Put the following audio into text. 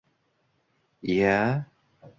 — Iya-iya...